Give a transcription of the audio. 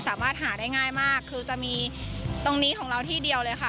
สามารถหาได้ง่ายมากคือจะมีตรงนี้ของเราที่เดียวเลยค่ะ